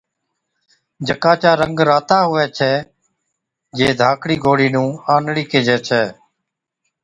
جڪا چا رنگ راتا هُوَي ڇَي، جي ڌاڪڙِي گوڙهِي نُون آنڙِي ڪيهجَي ڇَي۔